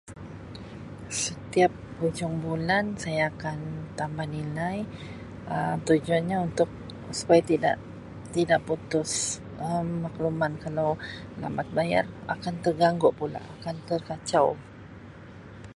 Setiap hujung bulan saya akan tambah nilai Um tujuannya untuk supaya tidak tidak putus Um makluman kalau lambat bayar akan terganggu pula akan terkacau.